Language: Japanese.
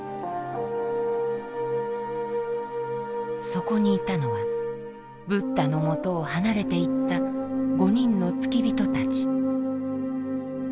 そこにいたのはブッダのもとを離れていった５人の付き人たち。